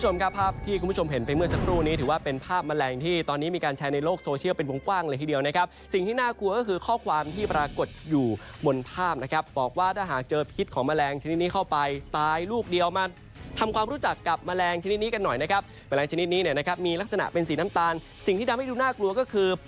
มีความลักษณะเป็นสีน้ำตาลสิ่งที่ดำให้ดูน่ากลัวก็คือมีความลักษณะเป็นสีน้ำตาลสิ่งที่ดำให้ดูน่ากลัวก็คือมีความลักษณะเป็นสีน้ำตาลสิ่งที่ดำให้ดูน่ากลัวก็คือมีความลักษณะเป็นสีน้ำตาลสิ่งที่ดำให้ดูน่ากลัวก็คือ